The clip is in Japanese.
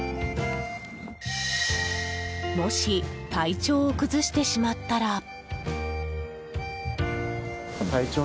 もし体調を崩してしまったら。